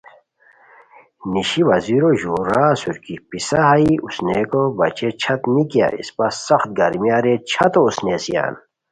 نیشی وزیرو ژور را اسور کی پِسہ ہائی اوسنئیکو بچے چھت نیکیا؟ اسپہ سخت گرمی اریر، چھتو اوسنیسام